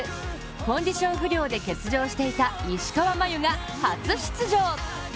コンディション不良で欠場していた石川真佑が初出場。